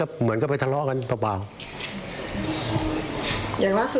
ขอเตือนไว้นะจะคบจะค้าหรือจะสมาคมกับคนพวกนี้ขอให้คิดให้ดี